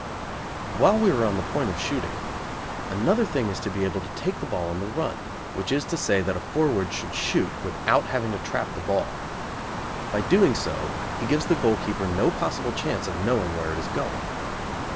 While we are on the point of shooting, another thing is to be able to take the ball on the run, which is to say that a forward should shoot without having to trap the ball. By doing so he gives the goalkeeper no possible chance of knowing where it is going.